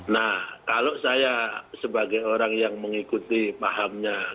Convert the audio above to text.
nah kalau saya sebagai orang yang mengikuti pahamnya